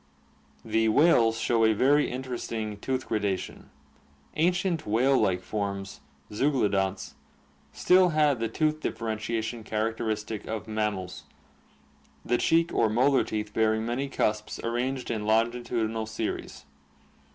The whales show a very interesting tooth gradation. Ancient whale like forms (zeuglodonts) still had the tooth differentiation characteristic of mammals, the cheek or molar teeth bearing AQUATIC ADAPTATION 333 many cusps arranged in longitudinal series (see Fig.